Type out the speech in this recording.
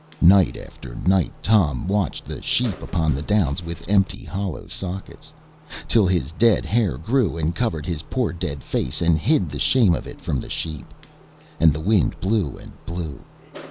Night after night Tom watched the sheep upon the downs with empty hollow sockets, till his dead hair grew and covered his poor dead face, and hid the shame of it from the sheep. And the wind blew and blew.